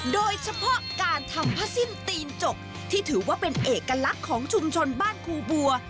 โดยเฉพาะการทำผ้าสิ้นตีนจกที่ถือว่าเป็นเอกลักษณ์ของชุมชนบ้านครูบัว